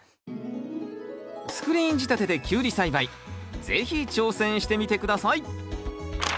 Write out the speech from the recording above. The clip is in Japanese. スクリーン仕立てでキュウリ栽培是非挑戦してみて下さい！